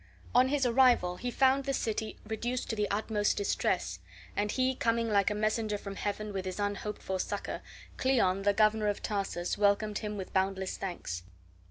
On his arrival he found the city reduced to the utmost distress; and, he coming like a messenger from heaven with his unhoped for succor, Cleon, the governor of Tarsus, welcomed him with boundless thanks.